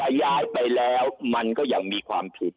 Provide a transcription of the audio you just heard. ถ้าย้ายไปแล้วมันก็ยังมีความผิด